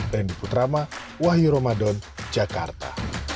randy putrama wahyu ramadan jakarta